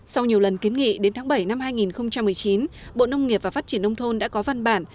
sau nhiều lần kiến nghị đến tháng bảy năm hai nghìn một mươi chín bộ nông nghiệp và phát triển nông thôn đã có văn bản